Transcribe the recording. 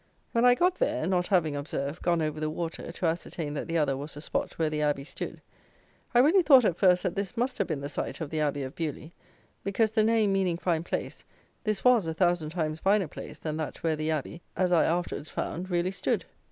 When I got there (not having, observe, gone over the water to ascertain that the other was the spot where the Abbey stood), I really thought, at first, that this must have been the site of the Abbey of Beaulieu; because, the name meaning fine place, this was a thousand times finer place than that where the Abbey, as I afterwards found, really stood.